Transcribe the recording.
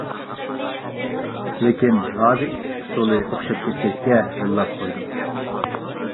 لېكىن ھازا ئېچىش ئۇسۇلى ئوخشاپ كەتكەچكە، يوللاپ قويدۇم.